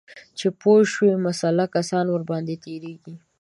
چې پوه شو مسلح کسان ورباندې تیریږي